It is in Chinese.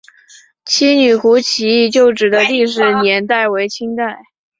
七女湖起义旧址的历史年代为清代。